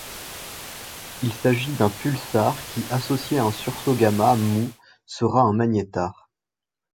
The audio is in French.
Il s'agit d'un pulsar qui, associé à un sursaut gamma mou, serait un magnétar.